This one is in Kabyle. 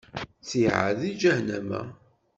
Ttiɛad di ǧahennama.